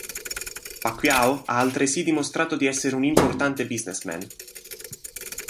Pacquiao ha altresì dimostrato di essere un importante business man.